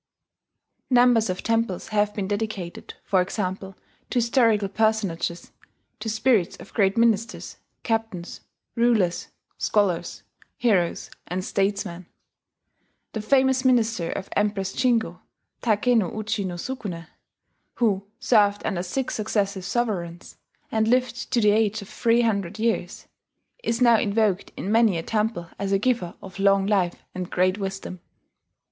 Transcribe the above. Numbers of temples have been dedicated, for example, to historical personages, to spirits of great ministers, captains, rulers, scholars, heroes, and statesmen. The famous minister of the Empress Jingo, Takeno uji no Sukune, who served under six successive sovereigns, and lived to the age of three hundred years, is now invoked in many a temple as a giver of long life and great wisdom.